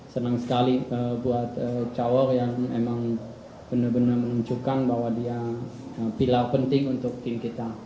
senang sekali buat cowok yang emang benar benar menunjukkan bahwa dia pilau penting untuk tim kita